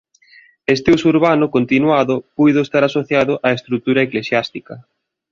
Este uso urbano continuado puido estar asociado á estrutura eclesiástica.